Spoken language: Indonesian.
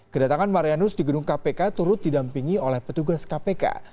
kedatangan marianus di gedung kpk turut didampingi oleh petugas kpk